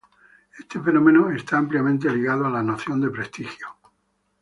Este fenómeno está ampliamente ligado a la noción de prestigio.